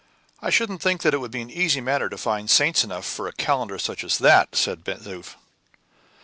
"I shouldn't think it would be an easy matter to find saints enough for such a calendar as that!" said Ben Zoof.